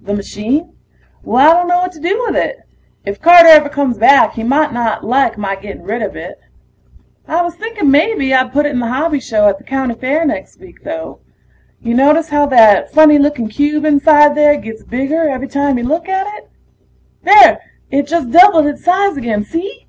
The machine? Well, I dunno what to do with it. If Carter ever comes back he might not like my getting rid of it. I was thinking mebbe I'd put it in the hobby show at the county fair next week, though. Ya notice how that funny looking cube inside there gets bigger every time you look at it? There ... it just doubled its size again, see?